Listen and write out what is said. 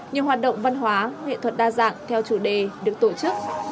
nhiều hoạt động văn hóa nghệ thuật đa dạng theo chủ đề được tổ chức